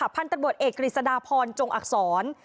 พันธบทเอกริสดาพอลจงอักษร